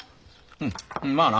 うんまあな。